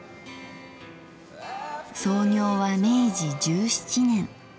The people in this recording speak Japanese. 創業は明治１７年。